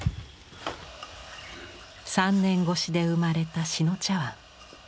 ３年越しで生まれた志野茶碗。